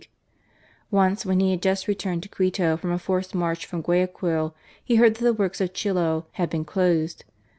G 82 GARCIA MORENO, Once when he had just returned to Quito from a forced march from Guayaquil, he heard that the works at Chillo had been closed.